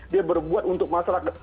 dia buat untuk masyarakat